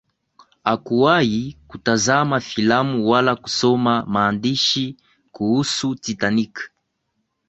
hakuwahi kutazama filamu wala kusoma maandishi kuhusu titanic